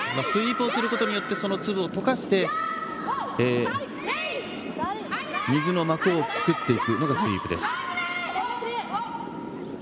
スイープをすることによって、その粒を溶かして水の膜を作っていくのがスイープです。